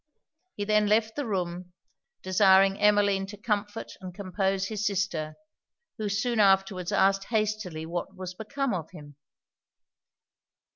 He then left the room, desiring Emmeline to comfort and compose his sister, who soon afterwards asked hastily what was become of him?